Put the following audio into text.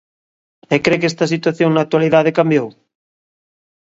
E cre que esta situación na actualidade cambiou?